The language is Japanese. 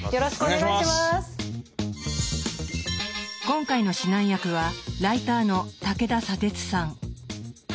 今回の指南役はライターの武田砂鉄さん。